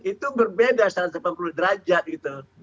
itu berbeda satu ratus delapan puluh derajat gitu